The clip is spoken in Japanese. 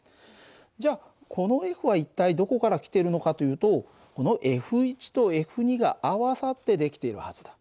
じゃあこのＦは一体どこから来てるのかというとこのＦとＦが合わさって出来ているはずだ。